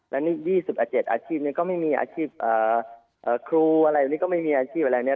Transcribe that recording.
และนี่๒๗อาชีพก็ไม่มีอาชีพครูอะไรอย่างนี้ก็ไม่มีอาชีพอะไรอย่างนี้